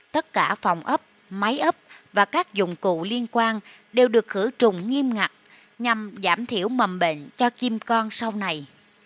tất cả phòng ấp máy ấp và các dụng cụ liên quan đều được khử trùng nghiêm ngặt nhằm giảm thiểu mầm bệnh cho kim con sau này